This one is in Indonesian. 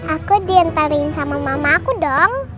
aku diantarin sama mama aku dong